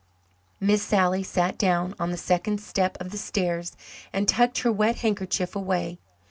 Miss Sally sat down on the second step of the stairs and tucked her wet handkerchief away.